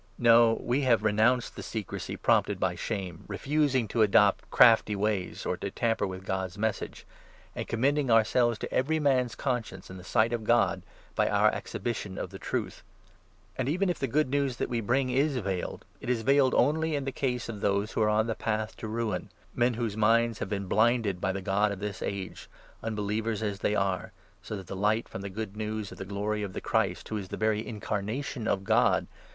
No, we have renounced the 2 secrecy prompted by shame, refusing to adopt crafty ways, or to tamper with God's Message, and commending ourselves to every man's conscience, in th« sight of God, by our exhibition of the Truth. And, even if the Good News that we bring is veiled, it is 3 veiled only in the case of those who are on the path to Ruin —• men whose minds have been blinded by the God of this Age, 4 unbelievers as they are, so that the light from the Good News of the glory of the Christ, who is the very incarnation of God